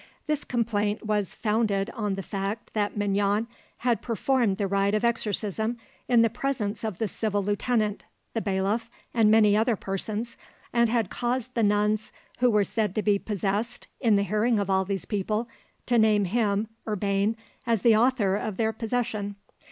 This complaint was founded on the fact that Mignon had performed the rite of exorcism in the presence of the civil lieutenant, the bailiff, and many other persons, and had caused the nuns who were said to be possessed, in the hearing of all these people, to name him, Urbain, as the author of their possession.